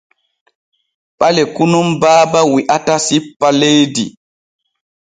Ɓaleku nun Baaba wi’ata sippa leydi.